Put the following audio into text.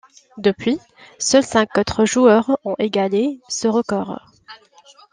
Depuis, seuls cinq autres joueurs ont égalé ce record.